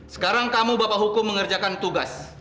sekarang kamu bapak hukum mengerjakan tugas